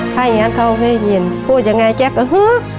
ถ้าอย่างนั้นเขาไม่ได้ยินพูดยังไงแจ๊คก็ฮือ